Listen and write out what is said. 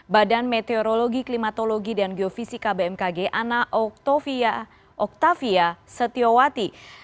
badan meteorologi klimatologi dan geofisika bmkg ana oktavia setiawati